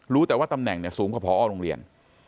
รู้แต่ว่าตำแหน่งสูงกว่าพอโรงเรียน